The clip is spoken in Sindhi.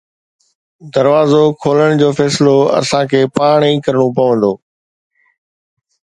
دروازو کولڻ جو فيصلو اسان کي پاڻ ئي ڪرڻو پوندو.